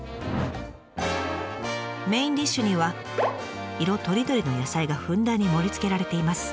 メインディッシュには色とりどりの野菜がふんだんに盛りつけられています。